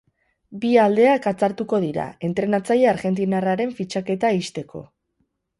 Bi aldeak atzartuko dira, entrenatzaile argentinarraren fitxaketa ixteko.